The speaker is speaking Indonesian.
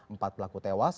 empat pelaku tewas